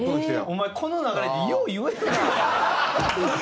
お前この流れでよう言えるな！